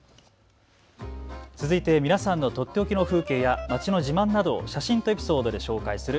続いて皆さんのとっておきの風景や街の自慢などを写真とエピソードで紹介する＃